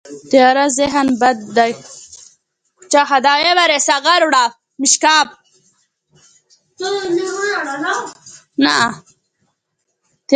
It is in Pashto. تیاره ذهن بد دی.